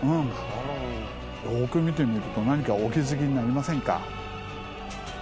よく見てみると何かお気付きになりませんか？